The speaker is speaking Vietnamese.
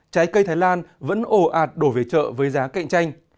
trái cây thái lan vẫn ổ ạt đổ về chợ với giá cạnh tranh